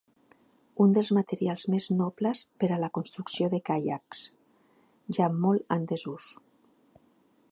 Un dels materials més nobles per a la construcció de caiacs, ja molt en desús.